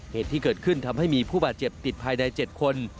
เหตุที่เกิดขึ้นทำให้มีผู้บาดเจ็บติดภายใน๗คน